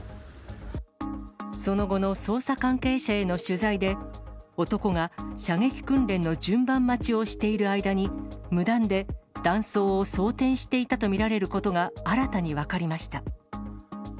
その後の捜査関係者への取材で、男が射撃訓練の順番待ちをしている間に、無断で弾倉を装填していたと見られることが新たに分かりました。